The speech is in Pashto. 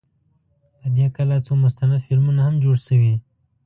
په دې کلا څو مستند فلمونه هم جوړ شوي.